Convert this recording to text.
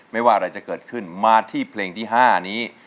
ไม่ว่าอะไรจะเกิดขึ้นมาที่เพลงที่๕นี้